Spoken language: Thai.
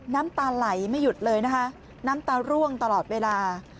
น้ำตาไหลไม่หยุดเลยนะคะน้ำตาร่วงตลอดเวลา